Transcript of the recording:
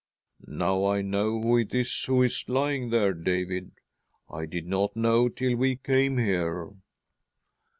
" Now I know who it is who is lying there, David. I did not know till we came here."